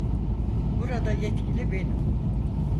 Burada yetkili benim.